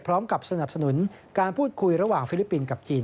สนับสนุนการพูดคุยระหว่างฟิลิปปินส์กับจีน